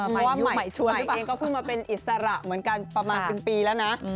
เพราะว่าใหม่เองก็พึ่งมาเป็นอิสระเหมือนกันประมาณปีแล้วนะ